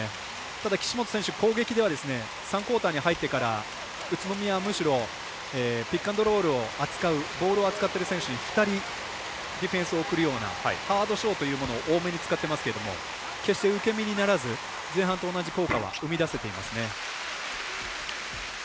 ただ、岸本選手攻撃では、３クオーターに入ってから宇都宮、むしろピックアンドロールを扱うボールを扱ってる選手に２人ディフェンスを送るようなハードショーというものを多めに使ってますが決して受け身にならず前半と同じ効果は生み出せていますね。